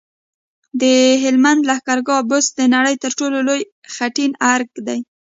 د هلمند لښکرګاه بست د نړۍ تر ټولو لوی خټین ارک دی